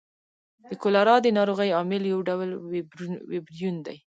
د کولرا د نارغۍ عامل یو ډول ویبریون دی.